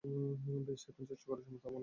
বেশ, এখন চেষ্টা করার সময়, তা মনে হয় না?